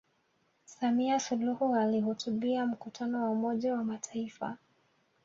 samia suluhu alihutubia mkutano wa umoja wa mataifa